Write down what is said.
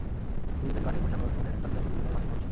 নিজেদের গাঁটের পয়সা খরচ করে গাছে গাছে বেঁধে দেন মাটির কলসি।